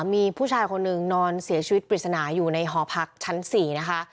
มีผู้ชายคนหนึ่งนอนเสียชีวิตปริศนาอยู่ในหอพักชั้น๔นะคะ